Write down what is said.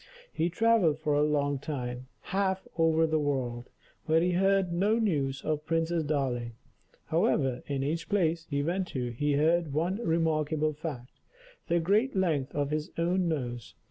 He travelled for a long time, half over the world, but he heard no news of Princess Darling. However, in each place he went to, he heard one remarkable fact the great length of his own nose.